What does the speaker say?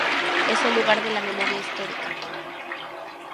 Es Lugar de la Memoria Histórica.